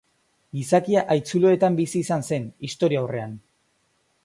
Gizakia haitzuloetan bizi izan zen, Historiaurrean.